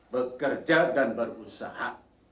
bekerja dan berusaha